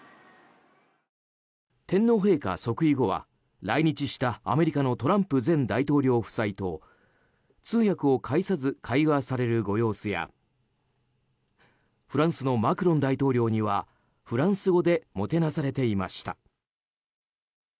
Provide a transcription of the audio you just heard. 天皇陛下即位後は来日した、アメリカのトランプ前大統領夫妻と通訳を介さず会話されるご様子やフランスのマクロン大統領にはフランス語でもてなされていました。